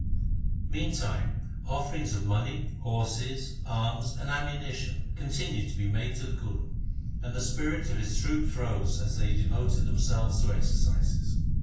Meantime offerings of money, horses, arms, and ammunition continued to be made to the Guru, and the spirit of his troops rose as they devoted them selves to exercises.